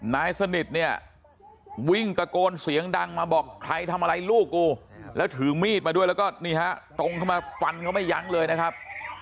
นายสนิทเนี่ยวิ่งตะโกนเสียงดังมาบอกใครทำอะไรลูกกูแล้วถือมีดมาด้วยแล้วก็นี่ฮะตรงเข้ามาฟันเขาไม่ยั้งเลยนะครับ